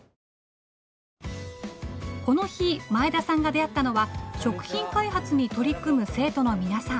この日前田さんが出会ったのは食品開発に取り組む生徒の皆さん。